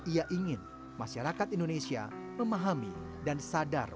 ia ingin masyarakat indonesia memahami dan sadar